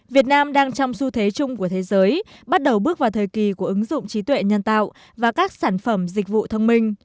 việt nam đang trong xu thế chung của thế giới bắt đầu bước vào thời kỳ của ứng dụng trí tuệ nhân tạo và các sản phẩm dịch vụ thông minh